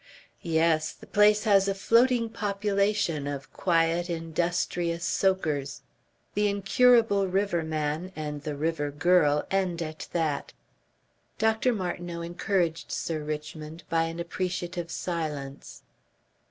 "Yes, the place has a floating population of quiet industrious soakers. The incurable river man and the river girl end at that." Dr. Martineau encouraged Sir Richmond by an appreciative silence.